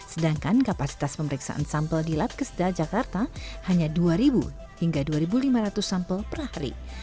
sedangkan kapasitas pemeriksaan sampel di lab kesedal jakarta hanya dua hingga dua lima ratus sampel per hari